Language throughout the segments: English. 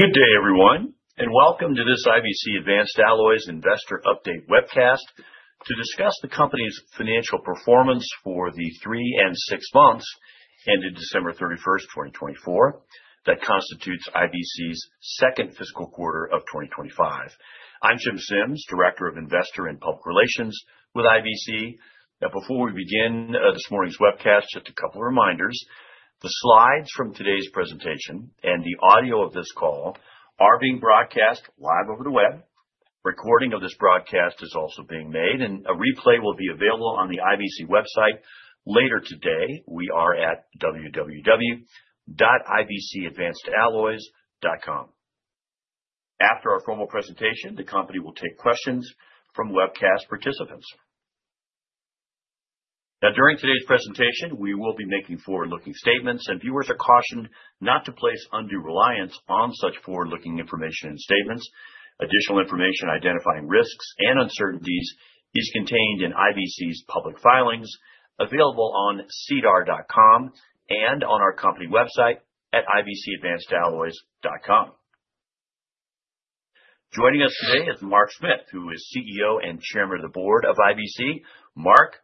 Good day, everyone, and welcome to this IBC Advanced Alloys investor update webcast to discuss the company's financial performance for the three and six months ended December 31st, 2024, that constitutes IBC's second fiscal quarter of 2025. I'm Jim Sims, Director of Investor and Public Relations with IBC. Now, before we begin this morning's webcast, just a couple of reminders: the slides from today's presentation and the audio of this call are being broadcast live over the web. Recording of this broadcast is also being made, and a replay will be available on the IBC website later today. We are at www.ibcadvancedalloys.com. After our formal presentation, the company will take questions from webcast participants. Now, during today's presentation, we will be making forward-looking statements, and viewers are cautioned not to place undue reliance on such forward-looking information and statements. Additional information identifying risks and uncertainties is contained in IBC's public filings, available on sedar.com and on our company website at ibcadvancedalloys.com. Joining us today is Mark Smith, who is CEO and Chairman of the Board of IBC. Mark,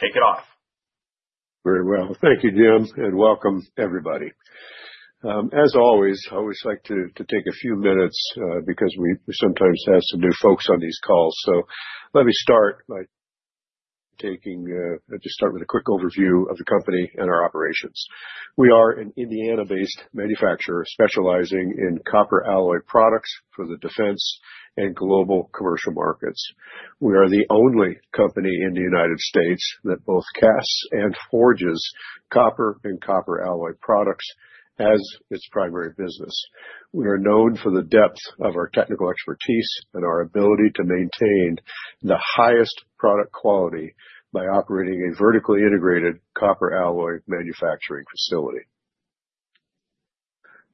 take it off. Very well. Thank you, Jim, and welcome, everybody. As always, I always like to take a few minutes because we sometimes have some new folks on these calls. Let me start by taking a quick overview of the company and our operations. We are an Indiana-based manufacturer specializing in copper alloy products for the defense and global commercial markets. We are the only company in the United States that both casts and forges copper and copper alloy products as its primary business. We are known for the depth of our technical expertise and our ability to maintain the highest product quality by operating a vertically integrated copper alloy manufacturing facility.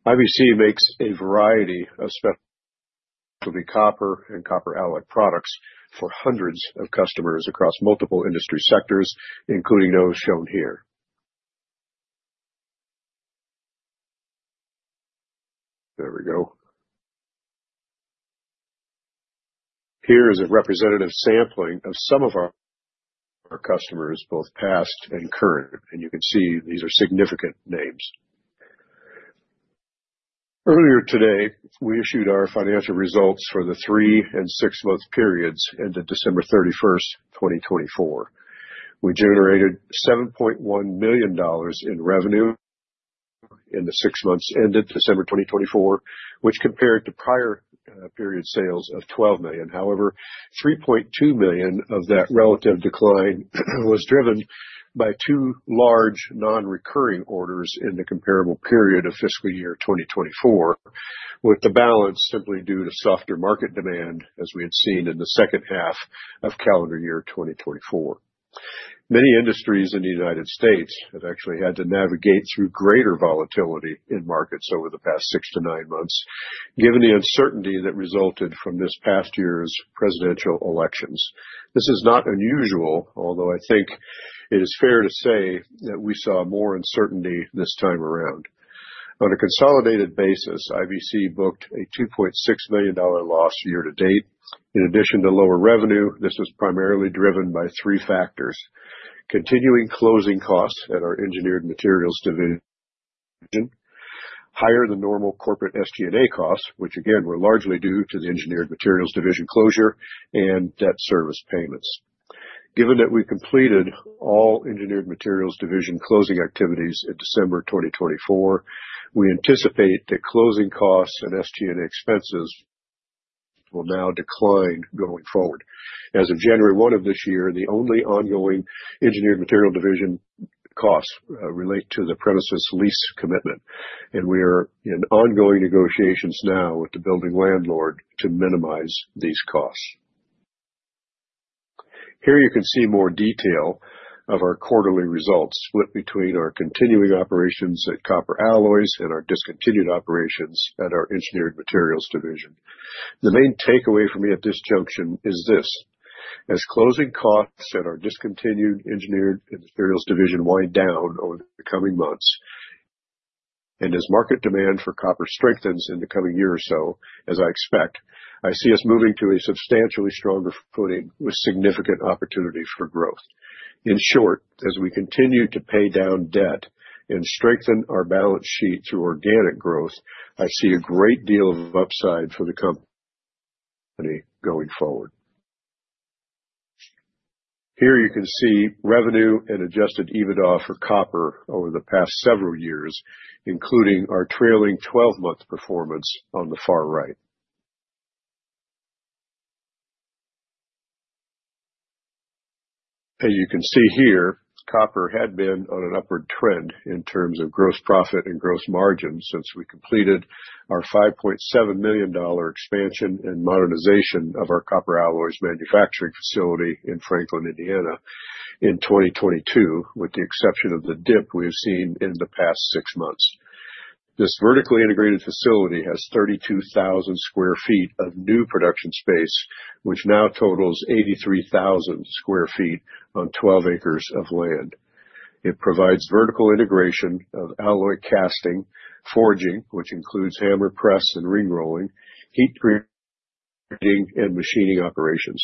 IBC makes a variety of specialty copper and copper alloy products for hundreds of customers across multiple industry sectors, including those shown here. There we go. Here is a representative sampling of some of our customers, both past and current, and you can see these are significant names. Earlier today, we issued our financial results for the three and six-month periods ended December 31st, 2024. We generated $7.1 million in revenue in the six months ended December 2024, which compared to prior period sales of $12 million. However, $3.2 million of that relative decline was driven by two large non-recurring orders in the comparable period of fiscal year 2024, with the balance simply due to softer market demand, as we had seen in the second half of calendar year 2024. Many industries in the United States have actually had to navigate through greater volatility in markets over the past six to nine months, given the uncertainty that resulted from this past year's presidential elections. This is not unusual, although I think it is fair to say that we saw more uncertainty this time around. On a consolidated basis, IBC booked a $2.6 million loss year to date. In addition to lower revenue, this was primarily driven by three factors: continuing closing costs at our Engineered Materials Division, higher than normal corporate SG&A costs, which again were largely due to the Engineered Materials Division closure, and debt service payments. Given that we completed all Engineered Materials Division closing activities in December 2024, we anticipate that closing costs and SG&A expenses will now decline going forward. As of January 1 of this year, the only ongoing Engineered Materials Division costs relate to the premises lease commitment, and we are in ongoing negotiations now with the building landlord to minimize these costs. Here you can see more detail of our quarterly results split between our continuing operations at Copper Alloys and our discontinued operations at our Engineered Materials Division. The main takeaway for me at this junction is this: as closing costs at our discontinued Engineered Materials Division wind down over the coming months and as market demand for copper strengthens in the coming year or so, as I expect, I see us moving to a substantially stronger footing with significant opportunity for growth. In short, as we continue to pay down debt and strengthen our balance sheet through organic growth, I see a great deal of upside for the company going forward. Here you can see revenue and adjusted EBITDA for copper over the past several years, including our trailing 12-month performance on the far right. As you can see here, copper had been on an upward trend in terms of gross profit and gross margin since we completed our $5.7 million expansion and modernization of our Copper Alloys Manufacturing Facility in Franklin, Indiana, in 2022, with the exception of the dip we have seen in the past six months. This vertically integrated facility has 32,000 sq ft of new production space, which now totals 83,000 sq ft on 12 acres of land. It provides vertical integration of alloy casting, forging, which includes hammer press and ring rolling, heat grinding, and machining operations.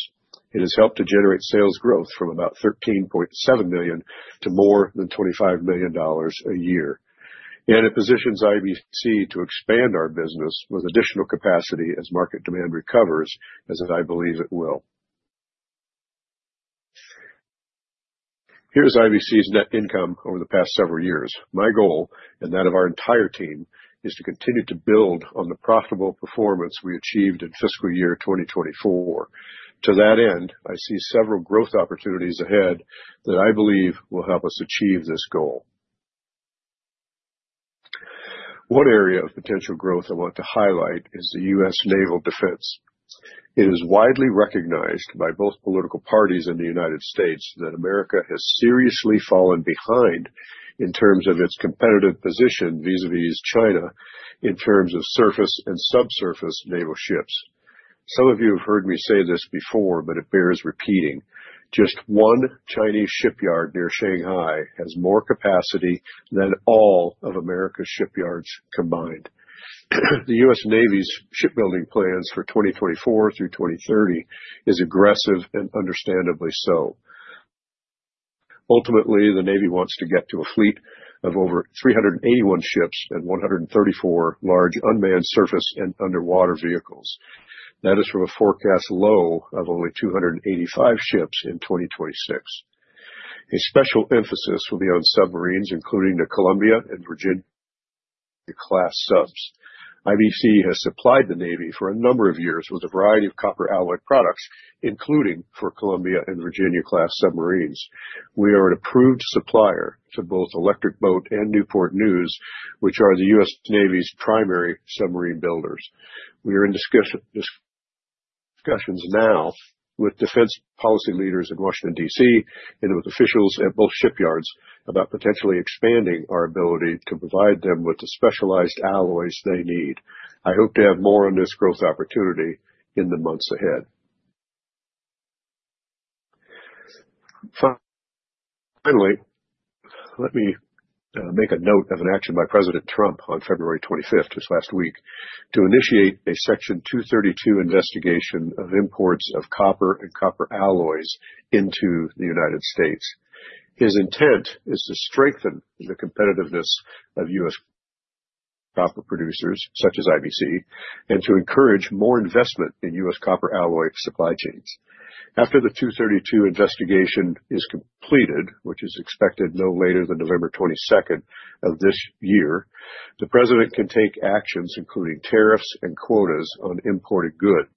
It has helped to generate sales growth from about $13.7 million to more than $25 million a year. It positions IBC to expand our business with additional capacity as market demand recovers, as I believe it will. Here is IBC's net income over the past several years. My goal, and that of our entire team, is to continue to build on the profitable performance we achieved in fiscal year 2024. To that end, I see several growth opportunities ahead that I believe will help us achieve this goal. One area of potential growth I want to highlight is the U.S. naval defense. It is widely recognized by both political parties in the United States that America has seriously fallen behind in terms of its competitive position vis-à-vis China in terms of surface and subsurface naval ships. Some of you have heard me say this before, but it bears repeating: just one Chinese shipyard near Shanghai has more capacity than all of America's shipyards combined. The U.S. Navy's shipbuilding plans for 2024 through 2030 are aggressive, and understandably so. Ultimately, the Navy wants to get to a fleet of over 381 ships and 134 large unmanned surface and underwater vehicles. That is from a forecast low of only 285 ships in 2026. A special emphasis will be on submarines, including the Columbia and Virginia-class subs. IBC has supplied the Navy for a number of years with a variety of copper alloy products, including for Columbia and Virginia-class submarines. We are an approved supplier to both Electric Boat and Newport News, which are the U.S. Navy's primary submarine builders. We are in discussions now with defense policy leaders in Washington, D.C., and with officials at both shipyards about potentially expanding our ability to provide them with the specialized alloys they need. I hope to have more on this growth opportunity in the months ahead. Finally, let me make a note of an action by President Trump on February 25th, this last week, to initiate a Section 232 investigation of imports of copper and copper alloys into the United States. His intent is to strengthen the competitiveness of U.S. copper producers, such as IBC, and to encourage more investment in U.S. copper alloy supply chains. After the 232 investigation is completed, which is expected no later than November 22nd of this year, the President can take actions, including tariffs and quotas on imported goods,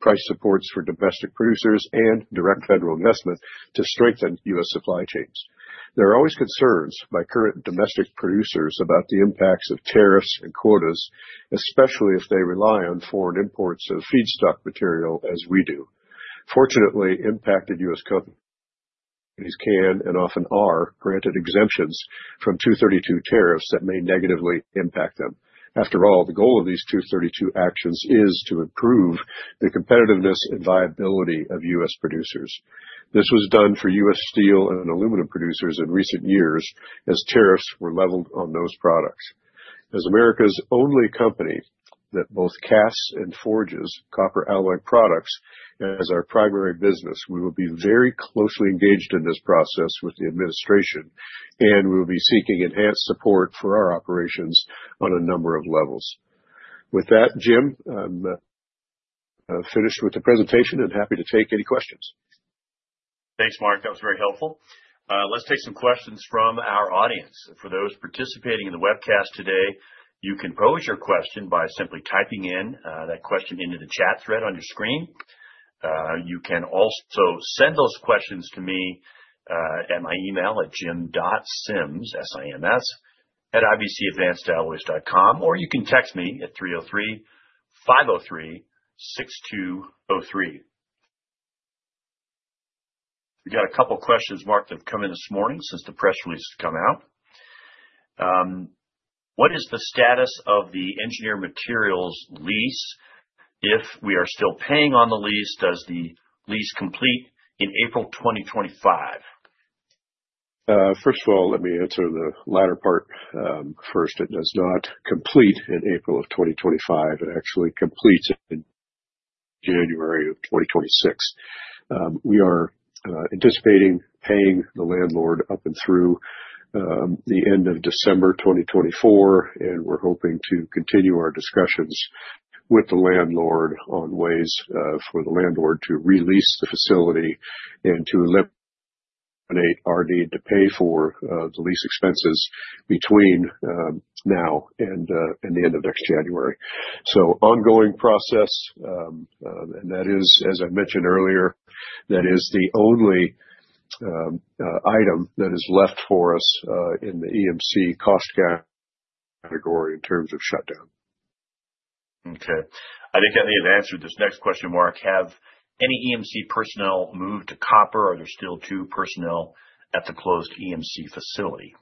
price supports for domestic producers, and direct federal investment to strengthen U.S. supply chains. There are always concerns by current domestic producers about the impacts of tariffs and quotas, especially if they rely on foreign imports of feedstock material as we do. Fortunately, impacted U.S. companies can and often are granted exemptions from 232 tariffs that may negatively impact them. After all, the goal of these 232 actions is to improve the competitiveness and viability of U.S. producers. This was done for U.S. steel and aluminum producers in recent years as tariffs were leveled on those products. As America's only company that both casts and forges copper alloy products as our primary business, we will be very closely engaged in this process with the administration, and we will be seeking enhanced support for our operations on a number of levels. With that, Jim, I'm finished with the presentation and happy to take any questions. Thanks, Mark. That was very helpful. Let's take some questions from our audience. For those participating in the webcast today, you can pose your question by simply typing that question into the chat thread on your screen. You can also send those questions to me at my email at Jim.Sims, S-I-M-S, at ibcadvancedalloys.com, or you can text me at 303-503-6203. We've got a couple of questions, Mark, that have come in this morning since the press release has come out. What is the status of the engineered materials lease? If we are still paying on the lease, does the lease complete in April 2025? First of all, let me answer the latter part first. It does not complete in April of 2025. It actually completes in January of 2026. We are anticipating paying the landlord up and through the end of December 2024, and we're hoping to continue our discussions with the landlord on ways for the landlord to release the facility and to eliminate our need to pay for the lease expenses between now and the end of next January. Ongoing process, and that is, as I mentioned earlier, that is the only item that is left for us in the EMC cost category in terms of shutdown. Okay. I think that may have answered this next question, Mark. Have any EMC personnel moved to copper, or are there still two personnel at the closed EMC facility?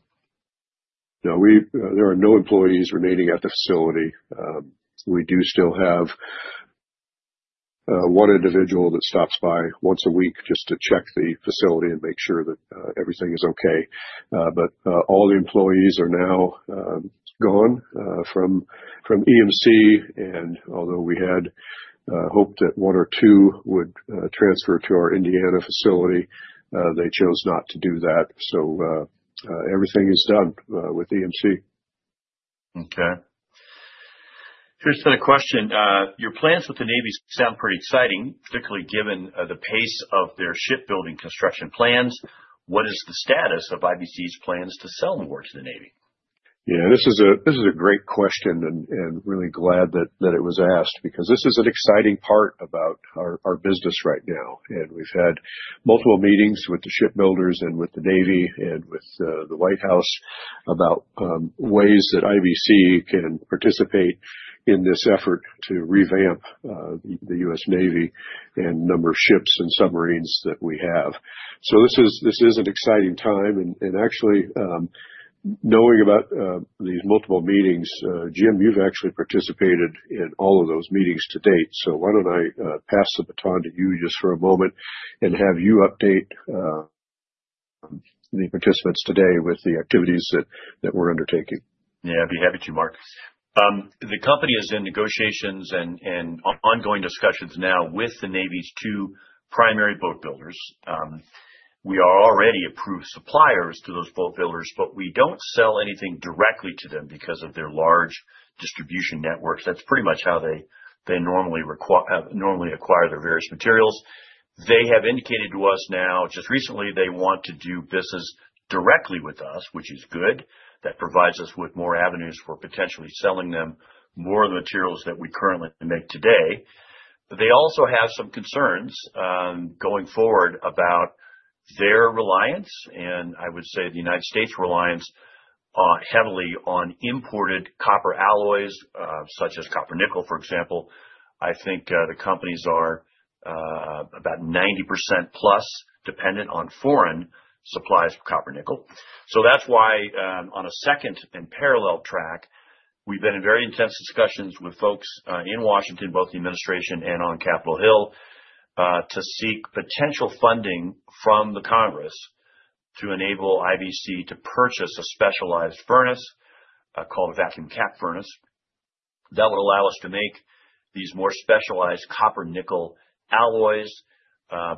No, there are no employees remaining at the facility. We do still have one individual that stops by once a week just to check the facility and make sure that everything is okay. All the employees are now gone from EMC, and although we had hoped that one or two would transfer to our Indiana facility, they chose not to do that. Everything is done with EMC. Okay. Here's another question. Your plans with the Navy sound pretty exciting, particularly given the pace of their shipbuilding construction plans. What is the status of IBC's plans to sell more to the Navy? Yeah, this is a great question, and I'm really glad that it was asked because this is an exciting part about our business right now. We've had multiple meetings with the shipbuilders and with the Navy and with the White House about ways that IBC can participate in this effort to revamp the U.S. Navy and the number of ships and submarines that we have. This is an exciting time. Actually, knowing about these multiple meetings, Jim, you've actually participated in all of those meetings to date. Why don't I pass the baton to you just for a moment and have you update the participants today with the activities that we're undertaking? Yeah, I'd be happy to, Mark. The company is in negotiations and ongoing discussions now with the Navy's two primary boat builders. We are already approved suppliers to those boat builders, but we don't sell anything directly to them because of their large distribution networks. That's pretty much how they normally acquire their various materials. They have indicated to us now, just recently, they want to do business directly with us, which is good. That provides us with more avenues for potentially selling them more of the materials that we currently make today. They also have some concerns going forward about their reliance, and I would say the United States' reliance heavily on imported copper alloys, such as copper-nickel, for example. I think the companies are about 90%+ dependent on foreign supplies of copper-nickel. That is why on a second and parallel track, we've been in very intense discussions with folks in Washington, both the administration and on Capitol Hill, to seek potential funding from the Congress to enable IBC to purchase a specialized furnace called a vacuum cap furnace that would allow us to make these more specialized copper-nickel alloys,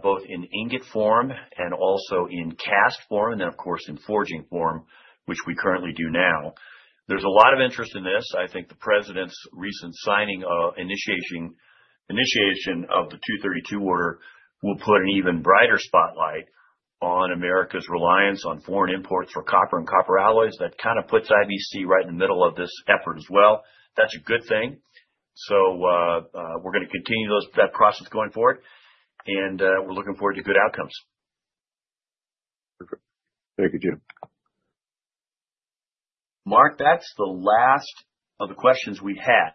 both in ingot form and also in cast form, and then, of course, in forging form, which we currently do now. There is a lot of interest in this. I think the President's recent signing initiation of the 232 order will put an even brighter spotlight on America's reliance on foreign imports for copper and copper alloys. That kind of puts IBC right in the middle of this effort as well. That's a good thing. We are going to continue that process going forward, and we are looking forward to good outcomes. Perfect. Thank you, Jim. Mark, that's the last of the questions we have.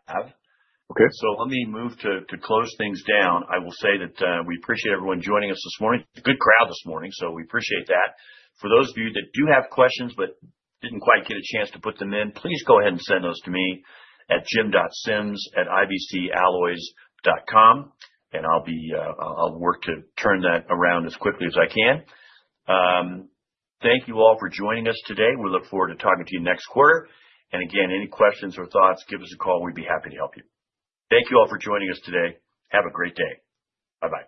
Okay. Let me move to close things down. I will say that we appreciate everyone joining us this morning. It's a good crowd this morning, so we appreciate that. For those of you that do have questions but didn't quite get a chance to put them in, please go ahead and send those to me at Jim.Sims@ibcalloys.com, and I'll work to turn that around as quickly as I can. Thank you all for joining us today. We look forward to talking to you next quarter. Again, any questions or thoughts, give us a call. We'd be happy to help you. Thank you all for joining us today. Have a great day. Bye-bye.